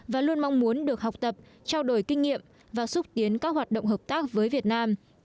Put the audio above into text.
và luôn mong muốn được học tập trao đổi kinh nghiệm và xúc tiến các hoạt động hợp tác với việt nam